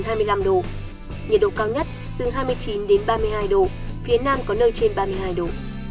nhiệt độ cao nhất từ hai mươi chín đến ba mươi hai độ phía nam có nơi trên ba mươi hai độ